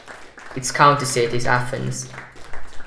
Its county seat is Athens.